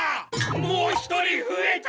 もう一人ふえた！